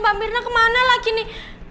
mamirna kemana lagi din